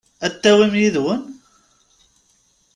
Ad t-tawim yid-wen?